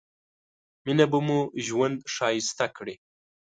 مينه به مو ژوند ښايسته کړي